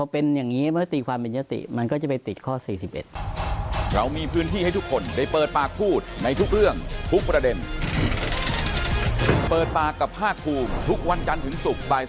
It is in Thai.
เพราะฉะนั้นเพราะเป็นอย่างนี้เมื่อตีความเป็นยศติ